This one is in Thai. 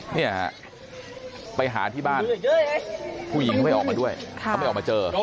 เนี่ยฮะไปหาที่บ้านผู้หญิงเขาไม่ออกมาด้วยเขาไม่ออกมาเจอ